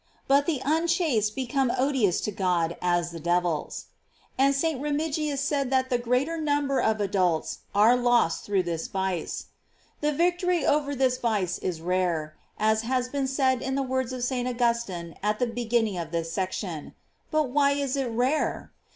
"J But the unchaste become odi®us to God as the devils. And St. Remigius said that the greater number of adults are lost through this vice. The vie, tory over this vice is rare, as has been said in the words of St. Augustine at the beginning of this section; but why is it rare?